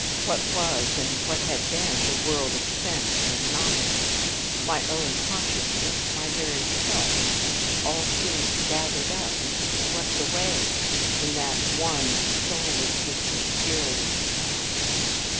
What was, and what had been, the world of sense and of knowledge, my own consciousness, my very self, all seemed gathered up and swept away in that one sole existent fury of sound.